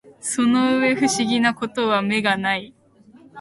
その上不思議な事は眼がない